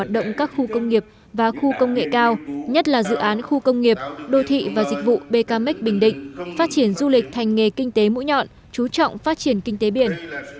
đồ thị và dịch vụ bkmx bình định phát triển du lịch thành nghề kinh tế mũi nhọn chú trọng phát triển kinh tế biển